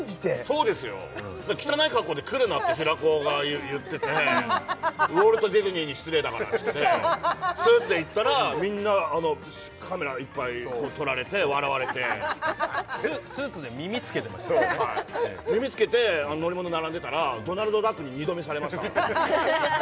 そうですよ汚い格好で来るなって平子が言っててウォルト・ディズニーに失礼だからっつってスーツで行ったらみんなカメラいっぱい撮られて笑われてスーツで耳つけてましたからね耳つけて乗り物並んでたらドナルドダックに二度見されました